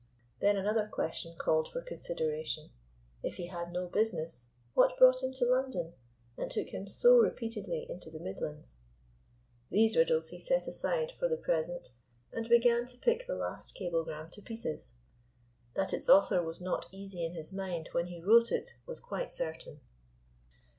Then another question called for consideration. If he had no business, what brought him to London and took him so repeatedly into the Midlands? These riddles he set aside for the present and began to pick the last cablegram to pieces. That its author was not easy in his mind when he wrote it was quite certain.